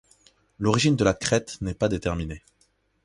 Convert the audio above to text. L'origine de la crête n'est pas déterminée.